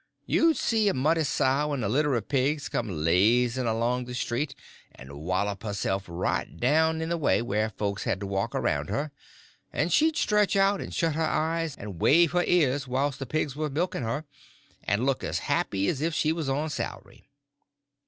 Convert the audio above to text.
You'd see a muddy sow and a litter of pigs come lazying along the street and whollop herself right down in the way, where folks had to walk around her, and she'd stretch out and shut her eyes and wave her ears whilst the pigs was milking her, and look as happy as if she was on salary.